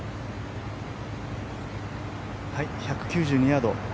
１９２ヤード。